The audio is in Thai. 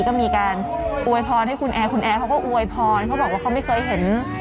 ก็มีการอวยพรให้คุณแอร์คุณแอร์เขาก็อวยพรเขาบอกว่าเขาไม่เคยเห็น